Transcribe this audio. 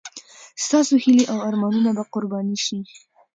ستاسو هیلې او ارمانونه به قرباني شي.